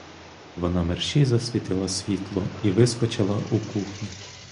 Вона мерщій засвітила світло і вискочила у кухню.